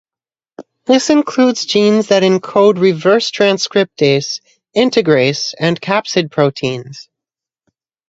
This includes genes that encode reverse transcriptase, integrase, and capsid proteins.